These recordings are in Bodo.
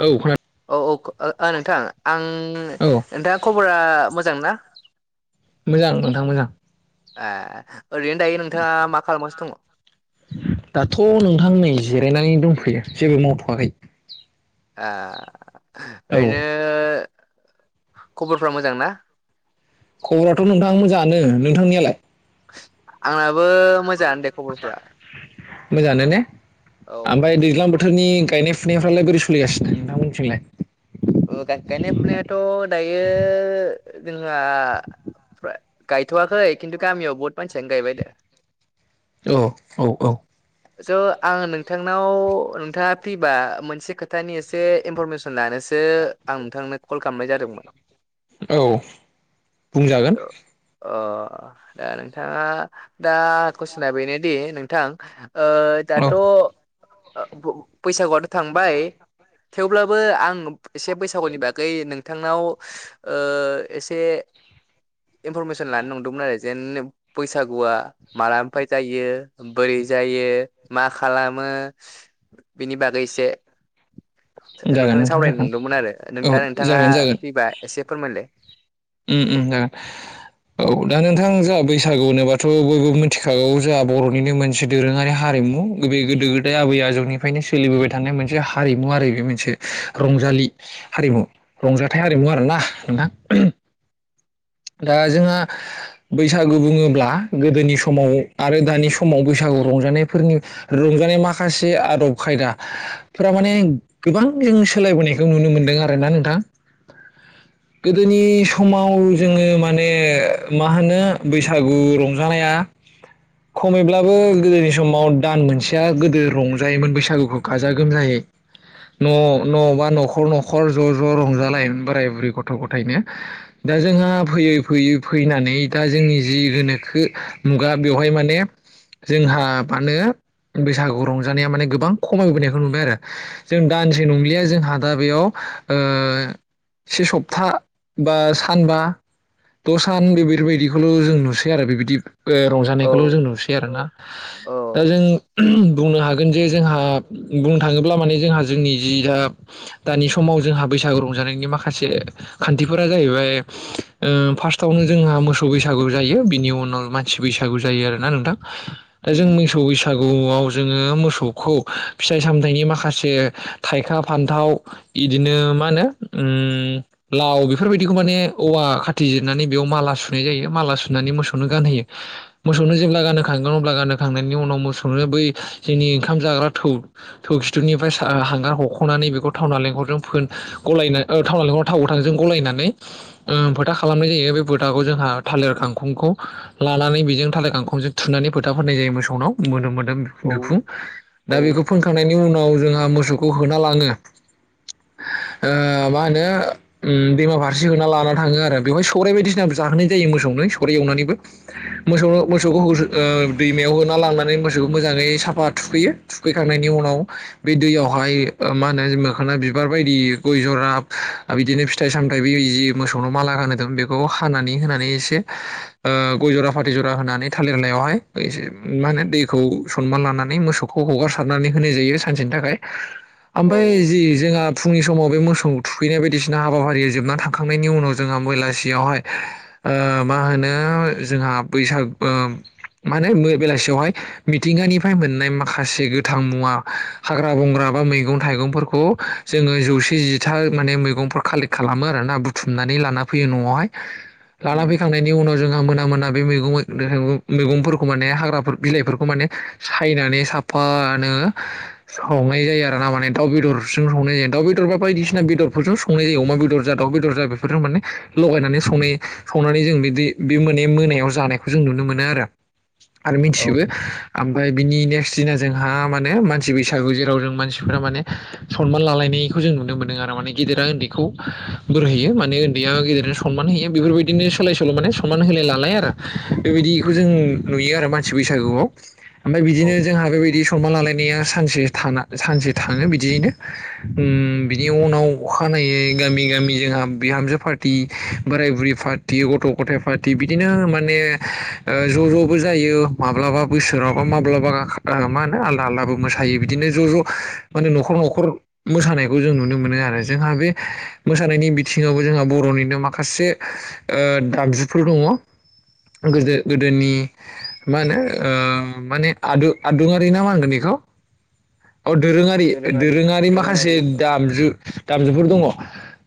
औ खोनादों । औ-औ -ओ नोंथां आं औ नोंथाङा खबरा मोजां ना। मोजां नोंथां मोजां। आ ओरैनो दायो नोंथाङा मा खालामगासिनो दङ? दाथ' नोंथां नै जिरायनानै दंथ' फैयो जेबो मावथ'वाखै। आ औ ओरैनो खबरफोरा मोजां ना। औ मोजाङानो नोंथांनियालाय। आंनाबो बो मोजांङानो दे खबरफ्रा औ। फोरनि गायनाय फुनायफ्रालाय बोरै सोलिगासिनों नोंथांमोनथिंलाय ओ गाय-गायनाय फुनायाथ' दायो जोंहा गायथ'वाखै खिन्थु गामियाव बहुत मानसियानो गायबाय दा औ औ औ स' आं नोंथांनाव नोंथाङा फ्रिबा मोनसे खोथानि एसे इनफरमेसन लानोसो आं नोंथांनो कल खालामनाय जादोंमोन औ बुंजागोन अ दा नोंथाङा दा कुइसना बेनोदि नोंथां ओ औ दाथ' बैसागुआथ' थांबाय थेवब्लाबो आं एसे बैसागुनि बागै नों बिथांनाव ओ एसे इनफरमेसन लानो नंदोंमोन आरो जेन बैसागुआ मालानिफ्राय जायो बोरै जायो मा खालामो ओ बिनि बागै एसे जागोन नोंथांनो नोंथां सावरायनो जागोन नुदोंमोन आरो औ नोंथां नोंथाङा फ्रिबा एसे फोरमायलाय उम-उम जागोन औ दा नोंथां बैसागु होनोबाथ' बयबो मिथिखागौ जोंहा बर'निनो मोनसे दोरोङारि हारिमु बे गोदो-गोदाय आबै आजौनिफ्रायनो सोलिबोबाय थानाय मोनसे हारिमु आरो बेबो मोनसे रंजालि हारिमु रंजाथाइ आरिमु आरोना नोंथां दा जोंहा बैसागु बुङोब्ला गोदोनि समाव आरो दानि समाव बैसा गु रंजानायफोरनि रंजानाय माखासे आदब खायदा फोरा माने गोबां जों सोलायबोनायखौ नुनो मोनदों आरोना नोंथां गोदोनि समाव जोङो माने मा होनो बैसागु रंजानाया खमैब्लाबो गोदोनि समाव दान मोनसेया गोदो रंजायोमोन बैसागुखौ गाजा-गोमजायै [unintelligible] न'-न' बा न'खर-न'खर ज'-ज' रंजालायोमोन बोराय बुरै गथ' गथायनो दा जोंहा फैयै-फैयै फैनानै दा जोंनि जि गोनोखो मुगा बेवहाय माने जोंहा मानो बैसागु रंजानाया माने गोबां खमायबोनायखौ नुबाय आरो जों दानसे नंलिया जोंहा दा बेयाव ओ से सप्ता बा सानबा द'सान बेफोरबायदिखौल' जों नुसै आरो बेबायदि औ रंजानायखौल' जों नुसै आरोना औ दा जों बुंनो हागोन जे जोंहा बुंनो थाङोब्ला माने जोंहा जोंनि जि दा दानि समाव जोंहा बै बैसागु रंजानायनि माखासे खान्थिफोरा जाहैबाय ओ फार्स्टआवनो जोंहा मोसौ बैसागु जायो बिनि उनाव मानसि बैसागु जायो आरोना नोंथां दा जों उम मोसौ बैसागुआव जोङो मोसौखौ फिथाइ सामथाइनि माखासे थाइखा फान्थाव बिदिनो मा होनो उम लाव बेफोरबायदिखौ माने औवा खा थि जिरनानै बेयाव माला सुनाय जायो माला सुनानै मोसौनो गानहोयो मोसौनो जेब्ला गानखांगोन अब्ला गानो खांनायनि उनाव मोसौ बै जोंनि ओंखाम जाग्रा थौ खिथुनिफ्राय सा-हांगार हख'ना नै बेखौफ थाव नालेंखरजों फोन गलायनानै ओ थाव नालेंखर थाव गोथांजों गलायनानै ओ फोथा खालामनाय जायो बे फोथाखौ जोंहा थालिर गांखंखौ लानानै बेजों थालिर गांखंजों थुनानै फोथा फोननाय जायो । मोसौनाव मोनो मोन बि-बिखुं औ दा औ बेखौ फोनखांनायनि उनाव जोंहा मोसौखौ होना लाङो । [unintelligible] ओ मा होनो उम दैमा फारसे होना लाना थाङो आरो बेवहाय सौराय बायदिसिनाबो जाहोनाय जायो मोसौनो सौराय एवनानैबो मोस- मोसौखौ ओ दैमा राव होना लांनानै मोसौखौ मोजांयै साफा थुखै थुखैखांनायनि उनाव बे दैयावहाय ओ मा होनो मोखोना बिबार बायदि गय जरा बिदिनो फिथाइ सामथाइबो मोसौनो माला गानो बेखौ हानानै होनानै एसे ओ गय जरा फाथै जरा होनानै थालिरलायावहाय एसे मा होनो दैखौ सनमान लानानै मोसौखौ हगारसारनानै होनाय जायो सानसेनि थाखाय औ ओमफ्राय जि जोंहा फुंनि समाव बे मोसौ थुखैनाय बायदिसिना हाबाफारिया जोबनानै थांनायनि उनाव जोंहा बेला सियावहाय ओ मा होनो जोंहा बैसाग ओ माने बेलासियावहाय मिथिंगानिफ्राय मोननाय माखासे गोथां मुवा हाग्रा बंग्रा मा मैगं थायगंफोरखौ जोङो जौसे जिथा मान मैं कालेक्ट खालामो आरोना बुथुमनानै लान फै लाना उम फैखांनायनि उनाव मोना मोन बे मै मैगंफोरखौ माने हाग्रा बिलाइफोरखौ माने सायनानै साफानो संनाय जायो आरो ना माने दाउ बेदरजों संनाय जायो दाउ बेदर बा बायदिसिना बेदरफोरजों संनाय जायो । अमा बेदर जा दाउ बेदर जा बेफोर माने लगायनानै संनाय संनानै जों बिदि बे मोने मोनायाव जानायखौ जों नुनो मोनो आरो। आरो औ मिथिजोबो। ओमफ्राय बिनि नेक्स्ट दिना जोंहा माने मानसि बैसागु जेराव जों मानसिफोरा माने सनमान लालायनायखौ जों नुनो मोनदों आरो। माने गेदेरा उन्दैखौ बोर होैयो माने उन्दैया गेदे- खौ सनमान होयो बेफोरबायदिनो सोलाय सोल' माने समान होलाय लालाय आरो। बेबायदिखौ जों नुयो आरो मानसि- बैसागुआव। ओमफ्राय औ बिदिनो जोंहा बेबायदि सनमान लालायनाया सानसे था सानसे थाङो बिदियैनो। बिनि उनाव अखा- नायै गामि गामि जोंहा बिहामजो पार्टि बोराय-बुरि पार्टि गथ'-गथायाइ पार्टि बिदिनो माने ओ ज' ज'बो जायो। माब्लाबा बोसोरावबा माब्लाबा मा होनो आलदा आलदाबो मोसायो। बिदिनो ज' ज' माने न'खर न'खर न'खर मोसानायखौ जों नुनो मोनो आरो। जोंहा बे मोसानायनि बिथिङावबो जोंहा बर'निनो माखासे ओ दामजुफोर दङ। गोदो गोदोनि मा होनो ओ माने आदु-आदुङरारि ना मागोन बेखौ? औ दोरोङारि दोरोङारि माखासे दोरोङारि औ दामजु दामजुफोर दङ।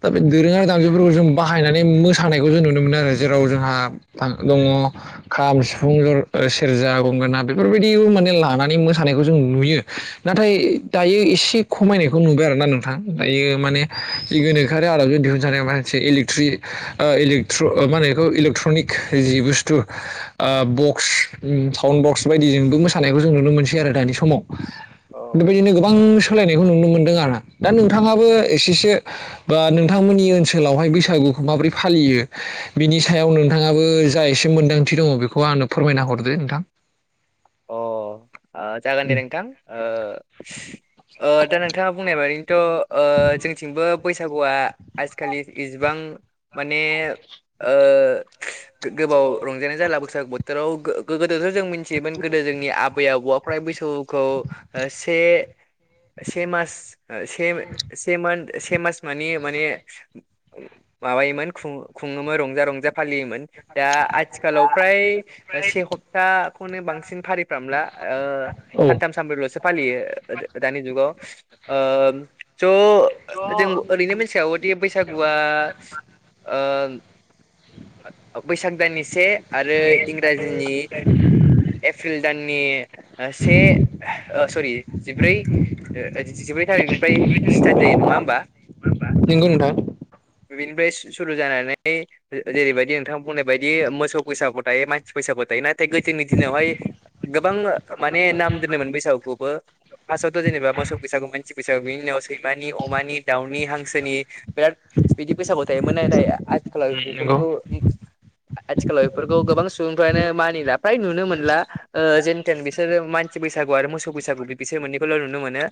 दा बे दोरोङारि दामजुफोरखौ जों नानै मोसानायखौ जों नुनो मोनो आरो। जेराव जोंहा दङ खाम-सिफुं सेरजा गंगोना बेफोरबायदिबो माने लानानै मोसानायखौ जों नुयो। नाथाय दायो एसे खमायनायखौ नुबाय आरो ना नोंथां। दायो माने गोनोखोआरि आदबजों दिहुनजानाय - थ्रि इलेट्र मा होनो बेखौ इलेक्ट्र'निक जि बुस्थु ओ बक्स उम साउन्ड बक्स बायदिजोंबो मोसानायखौ जों नुनो मोनसै आरो दानि समाव। अ बेबायदिनो गोबां सोलायनायखौ नुनो मोनदों आरो। दा नोंथाङाबो एसेसो बा नोंथांमोननि ओनसोलावहाय बै- बैसागुखौ माबोरै फालियो? बिनि सायाव नोंथाङाबो जा एसे मोनदांथि दङ बेखौ आंनो फोरमायना हरदो नोंथां। अ जागोन दे नोंथां। ओ ओ दा नोंथाङा बुंनाय बादिनोथ' ओ जोंथिंबो बैसागुआ आजिखालि इसिबां माने ओ गोबाव रंजानाय जाला बैसागु बोथोराव। गो-गोदोथ' जों मिथियोमोन गोदो जोंनि आबै-आबौआ फ्राय बैसागुखौ से से मास से से से मास मानि माने माबायोमोन खुङोमोन रंजा रंजा। फालियोमोन‌ दा आथिखालाव फ्राय से खप्ताखौनो बांसिन- बांसिन फारिफ्रामला औ सानथाम सानब्रैल'सो फालियो ओ दानि जुगाव। ओ स' जों ओरैनो मिथिागौदि बैसागुआ ओ बैसाग दाननि से आरो इंराजिनि एप्रिल दाननि से ओ सरि जिब्रै जिब्रै थारिख निफ्राय स्टार्ट जायो नङा होमबा? नोंगौ नोंथांं। बेनिफ्राय सुरु जानानै जेरैबायदि नोंथां बुंनाय बायदि मोसौ बैसागु थायो मानसि बैसागु थायो नाथाय गोदोनि दिनावहाय गोबां माने नाम दोनोमोन बैसागुखौबो। फार्स्टआवथ' जेनेबा मोसौ बैसागु मोनथि- बैसागु बिनि उनाव सैमानि, अमानि, दाउनि, हांसोनि बिराद बिदि बैसागु थायोमोन। नाथाय आथिखालाव नंगौ बेफोरखौ आथिखालाव बेफोरखौ गोबां सुबुंफ्रानो मानिला फ्राय नुनो मोनला। ओ जेनथेन बिसोरो मानसि बैसागु आरो मोसौ बैसागु बिसोर मोननैखौल' नुनो मोनो।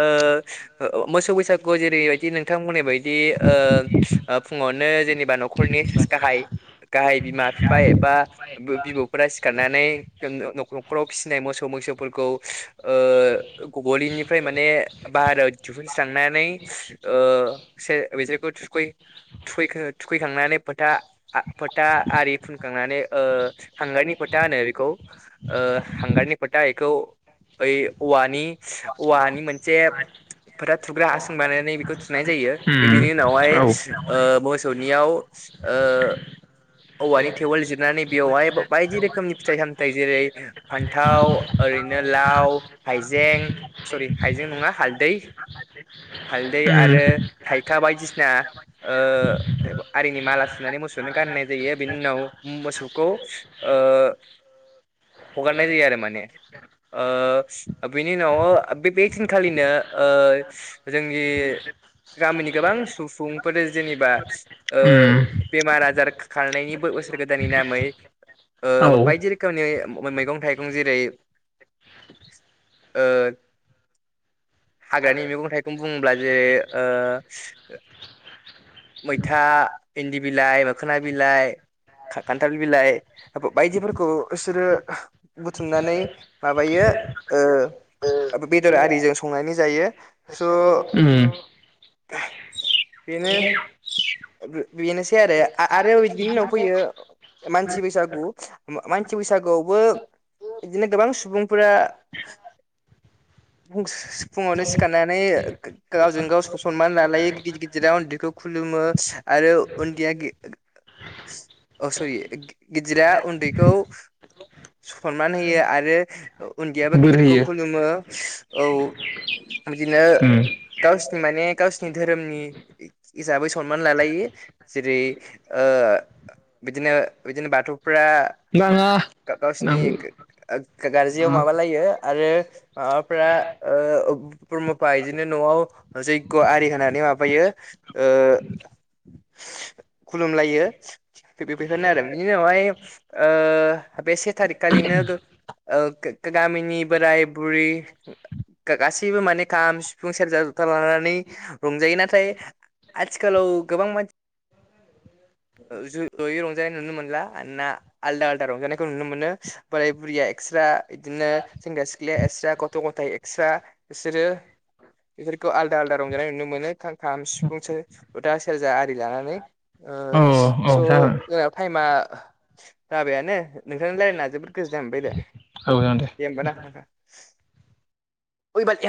ओ मोसौ बैसागु- खौ जेरैबायदि नोंथांमोननि बायदि ओ फुङावनो जेनेबा न'खरनि गाहाय गाहाय बिमा बिफा एबा बिबौफोरा सिखारनानै न'खराव फिसिनाय मोसौ मैसोफोरखौ ओ गलिनिफ्राय माने बाहेराव दिहुनस्रांनानै ओ बिसोरखौ थुखै थुखैखांनानै थुखैखांनानै फोथा- फोथा आरि फुनखांनानै ओ हांगारनि फोथा होनो बेखौ ओ हांगारनि फोथा एखौ बोइ औवानि- औवानि मोनसे फोथा थुग्रा हासुं बानायनानै बेखौ थुनाय जायो बे बिनि उनावहाय औ मोसौनियाव ओ उम औवानि थेवल जिरनानै बेवहाय बायदि रोखोमनि फिथाइ सामथायाइ जेरै फान्थाव ओरैनो लाव हाइजें सरि हाइजें नङा हालदै आ [inaudible] [unintelligible] हालदै आरो थाइ खा बायदिसिना आरिनि माला सुनानै मोसौनो गानहोनाय बेयो बिनि उनाव मोसौखौ ओ हगारनाय जायो आरो माने ओ बिनि उनाव बे- बे दिनखालिनो ओ जोंनि गामिनि गोबां सुबुंफोर जेनेबा बेमार आजार खारनायनि बोसोर गोदाननि नामै ओ बायदि जेरैखानि मैगं थाइगं जेरै ओ हाग्रानि मैगं थाइगं बुङोब्ला जेरै ओ मैथा इन्दि बिलाइ मोखोना बिलाइ खान्थाल बिलाइ बायदिफोरखौ बिसोरो बुथुमनानै माबायो बेदर आरिजों संनानै जायो स' उ [inaudible] [unintelligible] ए [inaudible] बेनोसै आरो आरो बिनि उनाव फैयो मानसि बैसागु मानसि बैसागुआवबो बिदिनो गोबां सुबुंफोरा बुं [inaudible] [unintelligible] फुङावनो सिखारनानै गावजों गाव सनमान लालायो गिदिर गिदिराव उन्दैखौ खुलुमो आरो उन्दैया अ सर गिजिर उन्दैखौ सनमान होयो आरो उन्दैयाबो बोर गिदिरखौ होयो खुलुमो औ बिदिनो उम गाव माने गावसिनि धोरोमनि हिसाबै सनमान लालायो जेरै ओ बिदिनो- बिदिनो बाथौ फ्रा नाङा औ गावसिनि गारजायाव माबालायो आरो माबाफ्रा ब्रह्मफा बिदिनो न'आव जैग्य' आरि होनानै माबायो ओ खुलुमलायो बेफोरनो आरो बिनि उनावहाय बे से थारिख खालिनो ओ गामिनि बोराय बुरै गासैबो माने खाम सिफुं सेरजा जथा लानानै रंजायो नाथाय आथिखालाव गोबां मानसि ज ज'यै रंजानाय नुनो मोनला ना आलदा आलदा रंजानायखौ नुनो मोनो बोराय बुरिया एक्सट्रा बिदिनो सेंग्रा सिख्लाया एक्स्रा गथ' गथाय एक्स्रा बिसोरो बेफोरखौ आलदा आलदा रंजानाय नुनो मोनो खाम सिफुं सिफुंसो जथा सेरजा आरि लानानै ओ स जोंहा टाइमा जाबाय आनो नोंथांनि रायल्लायना जोबोद गोजोननाय मोनबाय दे दे होमबा ना बै बायदिया